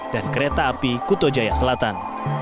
dan kereta api kuto jaya selatan